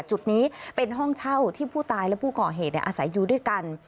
จุดนี้เป็นห้องเช่าที่ผู้ตายและผู้ก่อเหตุอาศัยอยู่ด้วยกัน